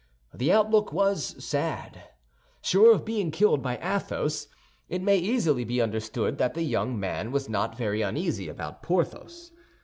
The outlook was sad. Sure of being killed by Athos, it may easily be understood that the young man was not very uneasy about Porthos.